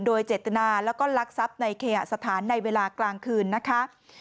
โดยเจตนาแล้วก็ลักทรัพย์ในเคหสถานในเวลากลางคืนนะคะ